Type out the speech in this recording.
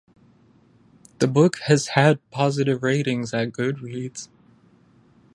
The book has had positive ratings at Goodreads.